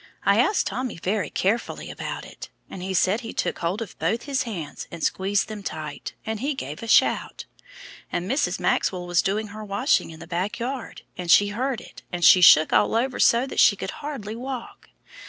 I asked Tommy very carefully about it, and he said he took hold of both his hands and squeezed them tight, and he gave a shout, and Mrs. Maxwell was doing her washing in the back yard, and she heard it, and she shook all over so that she could hardly walk.